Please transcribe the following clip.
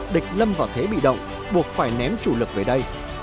địch lâm vào thế bị động buộc phải ném chủ lực về đây